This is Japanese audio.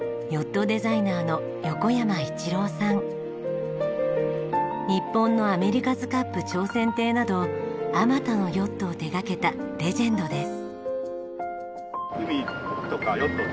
乗っているのは日本のアメリカズカップ挑戦艇などあまたのヨットを手掛けたレジェンドです。